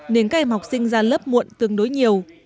nên các em học sinh ra lớp muộn tương đối nhiều